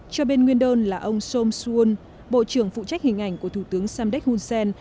cho bên nguyên đơn là ông som suol bộ trưởng phụ trách hình ảnh của thủ tướng samdek hunsen